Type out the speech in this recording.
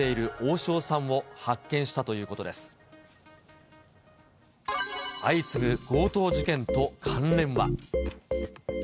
相次ぐ強盗事件と関連は。